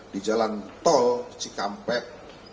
di jalan tol cikampek